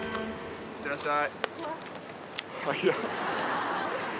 いってらっしゃい。